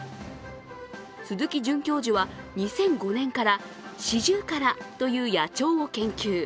鈴木准教授は２００５年からシジュウカラという野鳥を研究。